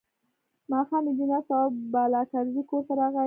ماښام انجنیر تواب بالاکرزی کور ته راغی.